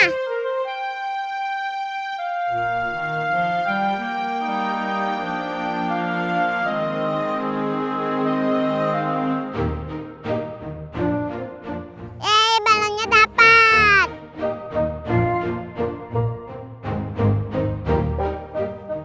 eh balonnya dapat